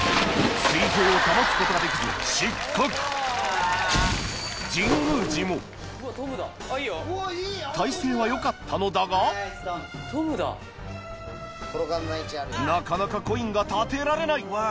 水平を保つことができず体勢はよかったのだがなかなかコインが立てられない